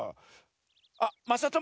あっまさとも。